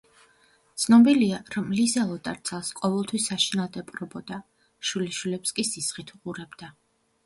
ცნობილია, რომ ლიზელოტა რძალს ყოველთვის საშინლად ეპყრობოდა, შვილიშვილებს კი ზიზღით უყურებდა.